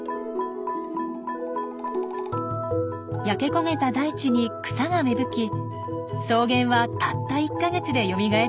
焼け焦げた大地に草が芽吹き草原はたった１か月でよみがえっていきます。